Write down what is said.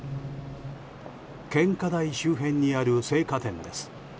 献花台周辺にある生花店です。